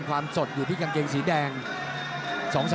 ความสดอยู่ที่กางเกงสีแดง